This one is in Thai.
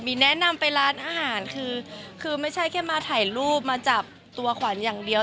มีแนะนำไปร้านอาหารคือคือไม่ใช่แค่มาถ่ายรูปมาจับตัวขวัญอย่างเดียว